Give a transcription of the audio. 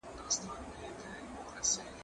کېدای سي مېوې خرابې وي.